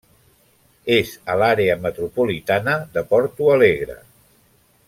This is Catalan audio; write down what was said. És a l'àrea metropolitana de Porto Alegre.